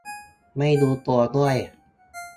ไม่รู้ตัวด้วย